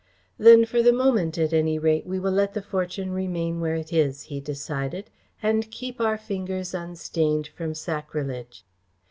"Then, for the moment, at any rate, we will let the fortune remain where it is," he decided, "and keep our fingers unstained from sacrilege.